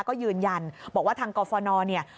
ก็ยืนยันบอกว่าทางกรฟนเนี่ย